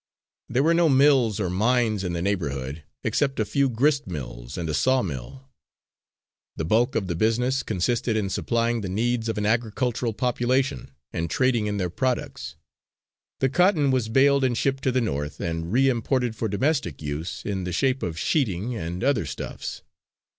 There were no mills or mines in the neighbourhood, except a few grist mills, and a sawmill. The bulk of the business consisted in supplying the needs of an agricultural population, and trading in their products. The cotton was baled and shipped to the North, and re imported for domestic use, in the shape of sheeting and other stuffs.